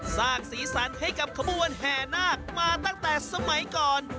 สร้างสีสันให้กับขบวนแห่นาคมาตั้งแต่สมัยก่อน